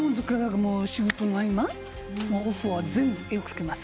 仕事の合間、もうオフは全部、絵を描きます。